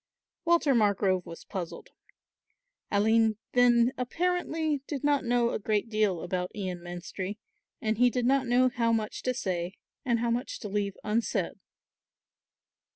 Walter Margrove was puzzled. Aline then apparently did not know a great deal about Ian Menstrie and he did not know how much to say and how much to leave unsaid.